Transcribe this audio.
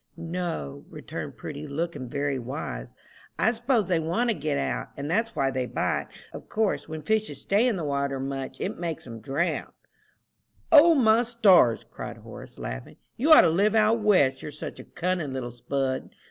"No," returned Prudy, looking very wise, "I s'pose they want to get out, and that's why they bite. Of course when fishes stay in the water much it makes 'em drown." "O, my stars!" cried Horace, laughing, "you ought to live 'out west,' you're such a cunning little spud.